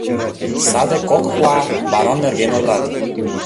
— Саде Кохква барон нерген ойлат.